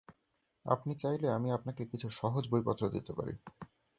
আপনি চাইলে, আমি আপনাকে কিছু সহজ বইপত্র দিতে পারি।